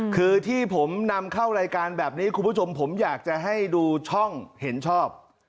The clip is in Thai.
คือที่ผมนำเข้ารายการแบบนี้คุณผู้ชมผมอยากจะให้ดูช่องเห็นชอบ